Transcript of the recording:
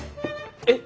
えっ？